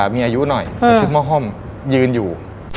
มีอายุหน่อยใส่ชุดหม้อห้อมยืนอยู่